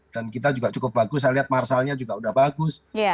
dan kita juga cukup bagus saya lihat marsalnya juga sudah bagus